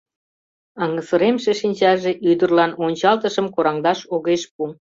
Аҥысыремше шинчаже ӱдырлан ончалтышым кораҥдаш огеш пу.